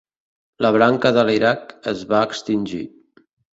La branca de l'Iraq es va extingir.